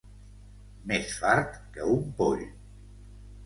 Més fart que un poll.